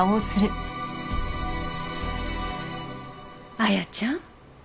亜矢ちゃん